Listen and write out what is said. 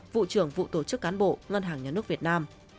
vụ trưởng vụ tổ chức cán bộ ngân hàng nhà nước việt nam